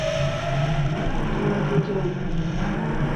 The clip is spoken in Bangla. তোমার কী চাই?